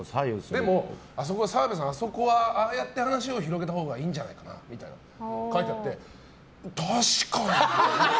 でも澤部さんあそこはああやって話を広げたほうがいいんじゃないかって書いてあって確かに！って。